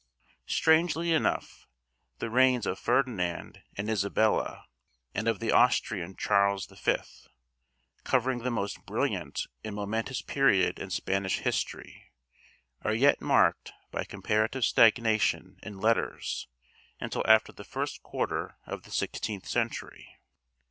Strangely enough, the reigns of Ferdinand and Isabella, and of the Austrian Charles the Fifth, covering the most brilliant and momentous period in Spanish history, are yet marked by comparative stagnation in letters until after the first quarter of the sixteenth century.